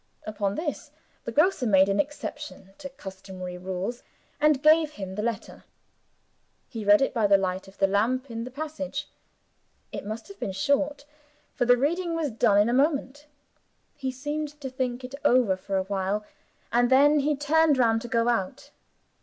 Upon this, the grocer made an exception to customary rules and gave him the letter. He read it by the light of the lamp in the passage. It must have been short, for the reading was done in a moment. He seemed to think over it for a while; and then he turned round to go out.